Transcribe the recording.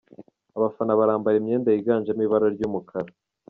Abafana barambara imyenda yiganjemo ibara ry'umukara.